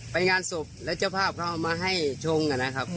ไปงานศพแล้วเจ้าภาพเขาเอามาให้ชงนะครับ